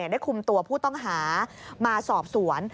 ได้คุมตัวผู้ต้องหามาสอบสวน